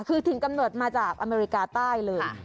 คือถึงกำหนดมาจากอเมริกาใต้เลย